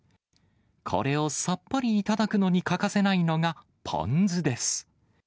これをさっぱり頂くのに欠かせないのが、ポン酢です。